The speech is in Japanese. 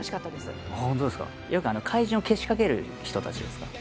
よく怪獣をけしかける人たちですか？